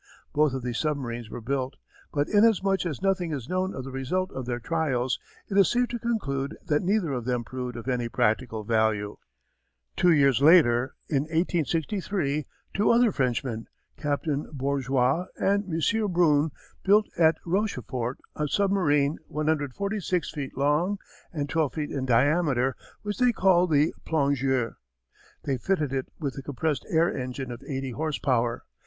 Both of these submarines were built, but inasmuch as nothing is known of the result of their trials, it is safe to conclude that neither of them proved of any practical value. Two years later, in 1863, two other Frenchmen, Captain Bourgeois and M. Brun, built at Rochefort a submarine 146 feet long and 12 feet in diameter which they called the Plongeur. They fitted it with a compressed air engine of eighty horse power.